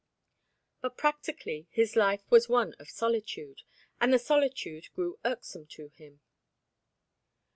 But practically his life was one of solitude, and the solitude grew irksome to him.